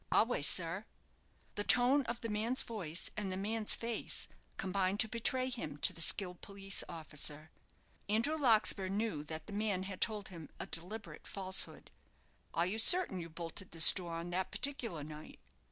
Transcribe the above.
"A ways, sir." The tone of the man's voice and the man's face combined to betray him to the skilled police officer. Andrew Larkspur knew that the man had told him a deliberate falsehood. "Are you certain you bolted this door on that particular night?"